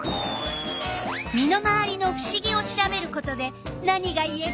身の回りのふしぎを調べることで何がいえる？